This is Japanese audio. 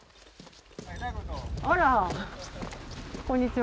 あらこんにちは。